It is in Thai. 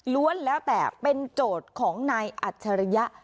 แล้วแต่เป็นโจทย์ของนายอัจฉริยะ